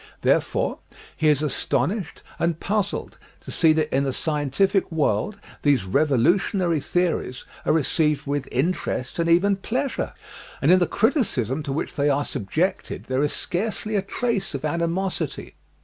There fore he is astonished and puzzled to see that in the scientific world these revolutionary theories are re ceived with interest and even pleasure, and in the criti cism to which they are subjected there is scarcely a trace of animosity.